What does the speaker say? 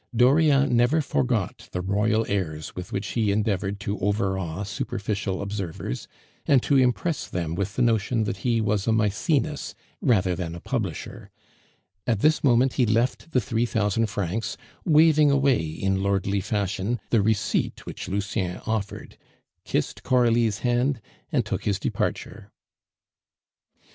Dauriat never forgot the royal airs with which he endeavored to overawe superficial observers, and to impress them with the notion that he was a Maecenas rather than a publisher; at this moment he left the three thousand francs, waving away in lordly fashion the receipt which Lucien offered, kissed Coralie's hand, and took his departure.